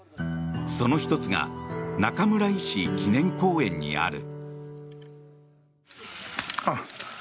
その１つが中村医師記念公園にある。